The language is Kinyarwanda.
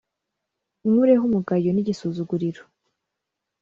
Unkureho umugayo nigisuzuguriro